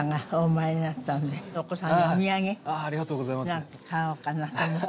ありがとうございます。